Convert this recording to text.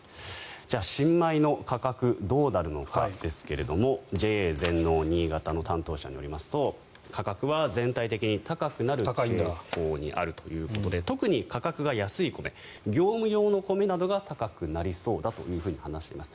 じゃあ新米の価格どうなるのかですがＪＡ全農にいがたの担当者によりますと価格は全体的に高くなる傾向にあるということで特に価格が安い米業務用の米などが高くなりそうだと話しています。